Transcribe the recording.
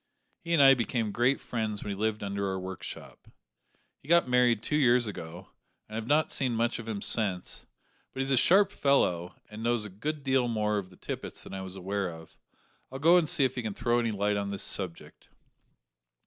He and I became great friends when he lived under our workshop. He got married two years ago, and I have not seen much of him since, but he's a sharp fellow, and knows a good deal more of the Tippets than I was aware of. I'll go and see if he can throw any light on this subject."